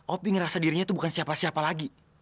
opi ngerasa dirinya itu bukan siapa siapa lagi